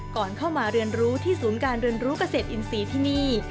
ก่อนเข้ามาเรียนรู้ที่ศูนย์การเรียนรู้เกษตรอินทรีย์ที่นี่